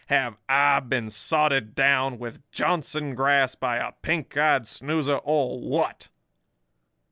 Have I been sodded down with Johnson grass by a pink eyed snoozer, or what?